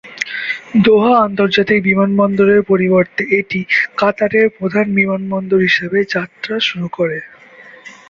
দোহা আন্তর্জাতিক বিমানবন্দরের পরিবর্তে এটি কাতারের প্রধান বিমানবন্দর হিসাবে যাত্রা শুরু করে।